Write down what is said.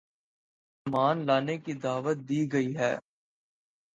ایمان لانے کی دعوت دی گئی ہے